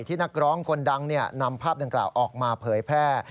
นักร้องคนดังนำภาพดังกล่าวออกมาเผยแพร่